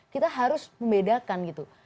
kita harus membedakan gitu